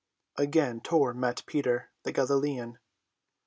Again Tor met Peter, the Galilean.